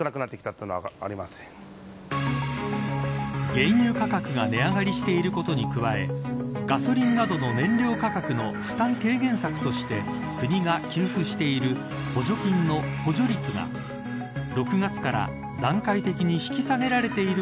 原油価格が値上がりしていることに加えガソリンなどの燃料価格の負担軽減策として国が給付している補助金の補助率が今日も行くぞー！